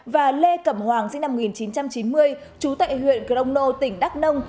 và lê cẩm hoàng sinh năm một nghìn chín trăm chín mươi chú tại huyện cường âu nô tỉnh đắc nông